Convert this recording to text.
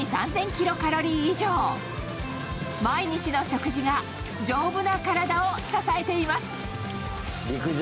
キロカロリー以上、毎日の食事が丈夫な体を支えています。